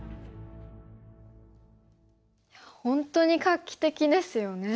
本当に画期的ですよね。